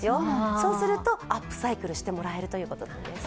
そうするとアップサイクルしてもらえるということなんです。